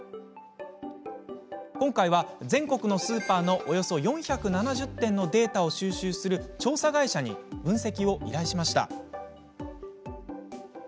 今回は、全国のスーパーのおよそ４７０店のデータを収集する調査会社に分析を依頼しました。